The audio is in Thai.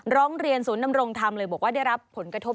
ร้องเรียนศูนย์นำรงธรรมเลยบอกว่าได้รับผลกระทบ